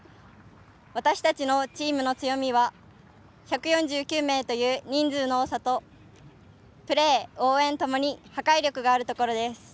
私たちのチームの強みは１４９名という人数の多さとプレー、応援ともに破壊力があるところです。